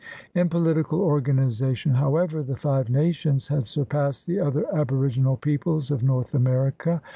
In political organization, however, the Five Nations had surpassed the other aboriginal peoples of North America.